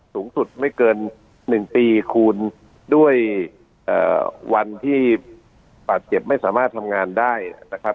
สูงสุดไม่เกิน๑ปีคูณด้วยวันที่บาดเจ็บไม่สามารถทำงานได้นะครับ